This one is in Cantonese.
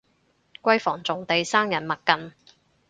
閨房重地生人勿近